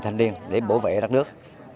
là thanh niên để bảo vệ đất nước